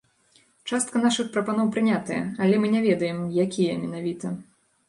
Частка нашых прапаноў прынятая, але мы не ведаем, якія менавіта.